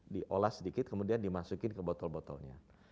diolah sedikit kemudian dimasukin ke botol botolnya